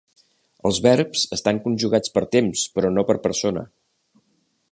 Els verbs estan conjugats per temps però no per persona.